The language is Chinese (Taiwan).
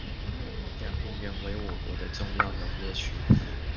兩平原為我國的重要農業區